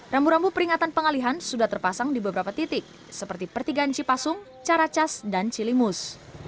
rambu rambu peringatan pengalihan sudah terpasang di beberapa titik seperti pertigaan cipasung caracas dan cilimus